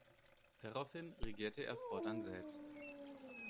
Daraufhin regierte er fortan selbst.